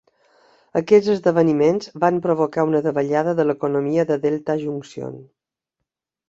Aquests esdeveniments van provocar una davallada de l'economia de Delta Junction.